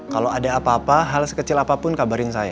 kalau ada apa apa hal sekecil apapun kabarin saya